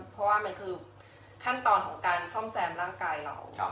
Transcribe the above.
เพราะว่ามันคือขั้นตอนของการซ่อมแซมร่างกายเรา